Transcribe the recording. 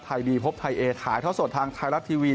ไทยดีพบไทยเอสถ่ายเท้าสดทางไทยรัตน์ทีวี